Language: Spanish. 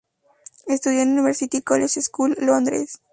Estudió en la University College School, Londres.